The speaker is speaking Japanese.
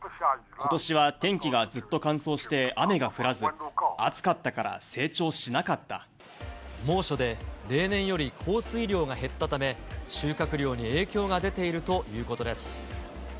ことしは天気がずっと乾燥して雨が降らず、暑かったから、成長し猛暑で例年より降水量が減ったため、収穫量に影響が出ているということです。